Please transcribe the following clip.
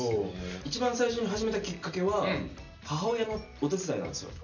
一番最初に始めたきっかけは母親のお手伝いなんですよ。